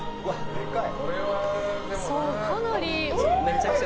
でかい！